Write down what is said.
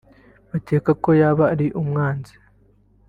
bakeka ko yaba ari umwanzi